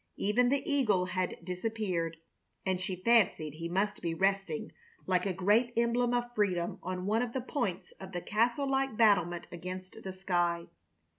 Even the eagle had disappeared, and she fancied he must be resting like a great emblem of freedom on one of the points of the castle like battlement against the sky.